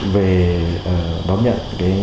về đón nhận